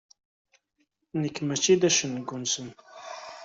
Nekk mačči d acengu-nsent.